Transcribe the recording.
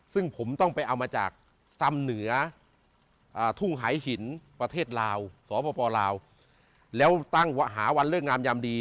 ซึ่งผมต้องไปเอามาจากซ่ำเหนือทุ่งหายหินประเทศลาวสปลาวแล้วตั้งหาวันเลิกงามยามดี